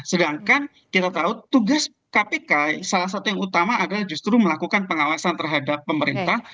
sedangkan kita tahu tugas kpk salah satu yang utama adalah justru melakukan pengawasan terhadap pemerintah